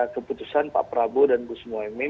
keputusan pak prabowo dan gus mohaimin